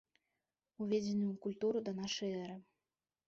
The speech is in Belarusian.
Уведзены ў культуру да нашай эры.